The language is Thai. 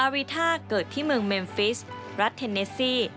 วีท่าเกิดที่เมืองเมมฟิสรัฐเทนเนสซี่